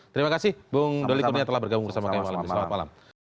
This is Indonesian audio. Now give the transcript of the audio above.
terima kasih bung doli kurnia telah bergabung bersama kami malam ini selamat malam